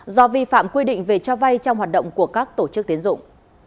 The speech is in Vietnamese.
do vi phạm quy định về cho vay trong hoạt động của các tổ chức tiến dụng